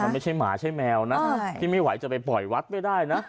มันไม่ใช่หมาใช่แมวนะที่ไม่ไหวจะไปปล่อยวัดไม่ได้นะ